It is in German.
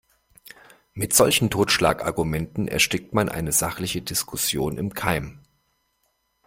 Mit solchen Totschlagargumenten erstickt man eine sachliche Diskussion im Keim.